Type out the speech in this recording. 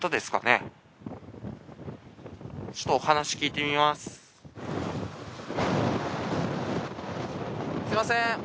すみません。